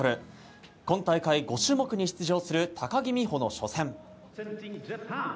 今大会５種目に出場する高木美帆の初戦。